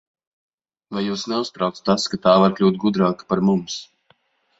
Vai jūs neuztrauc tas, ka tā var kļūt gudrāka par mums?